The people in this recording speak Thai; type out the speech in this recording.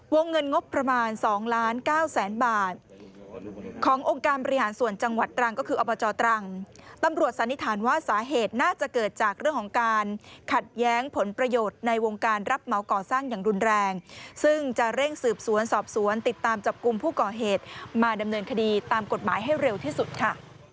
เงินงบประมาณ๒ล้านเก้าแสนบาทขององค์การบริหารส่วนจังหวัดตรังก็คืออบจตรังตำรวจสันนิษฐานว่าสาเหตุน่าจะเกิดจากเรื่องของการขัดแย้งผลประโยชน์ในวงการรับเหมาก่อสร้างอย่างรุนแรงซึ่งจะเร่งสืบสวนสอบสวนติดตามจับกลุ่มผู้ก่อเหตุมาดำเนินคดีตามกฎหมายให้เร็วที่สุดค่ะ